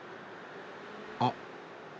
あっ。